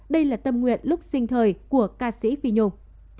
đây là tâm nguyện lúc sinh thời của ca sĩ phi nhung